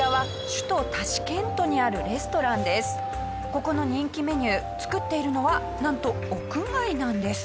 ここの人気メニュー作っているのはなんと屋外なんです。